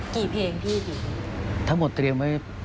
กี่เพลงพี่กี่เพลงทั้งหมดเตรียมไว้